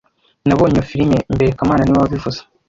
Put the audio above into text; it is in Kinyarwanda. Nabonye iyo firime mbere kamana niwe wabivuze